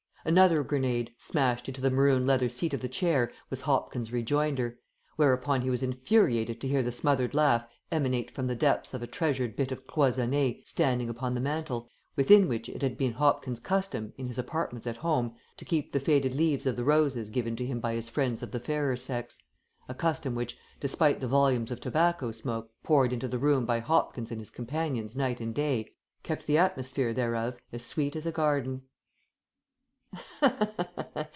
Another grenade, smashed into the maroon leather seat of the chair, was Hopkins' rejoinder, whereupon he was infuriated to hear the smothered laugh emanate from the depths of a treasured bit of cloisonné standing upon the mantel, within which it had been Hopkins' custom, in his apartments at home, to keep the faded leaves of the roses given to him by his friends of the fairer sex a custom which, despite the volumes of tobacco smoke poured into the room by Hopkins and his companions night and day, kept the atmosphere thereof as sweet as a garden.